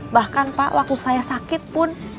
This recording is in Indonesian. bahkan pak waktu saya sakit pun